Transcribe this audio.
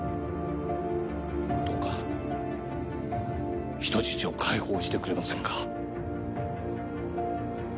どうか、人質を解放してくれませんか？